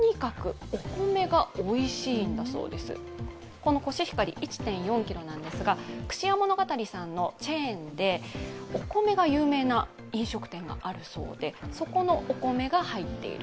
このコシヒカリ１．４ｋｇなんですが串家物語さんのチェーンでお米が有名な飲食店があるそうでそこのお米が入っている。